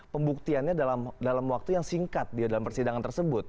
pembuktiannya dalam waktu yang singkat dia dalam persidangan tersebut